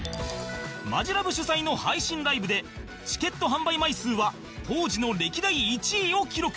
マヂラブ主催の配信ライブでチケット販売枚数は当時の歴代１位を記録